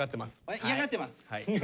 嫌がってます。